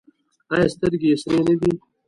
ایا سترګې یې سرې نه دي؟